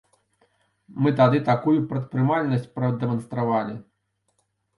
Мы тады такую прадпрымальнасць прадэманстравалі!